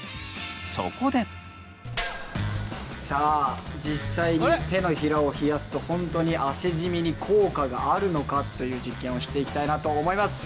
さあ実際に手のひらを冷やすと本当に汗じみに効果があるのかという実験をしていきたいなと思います。